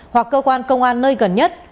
hoặc cơ quan công an nơi dự định